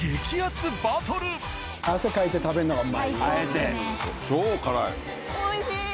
汗かいて食べるのがうまい。